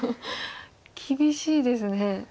厳しいですね。